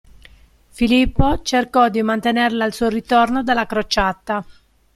Filippo cercò di mantenerla al suo ritorno dalla crociata.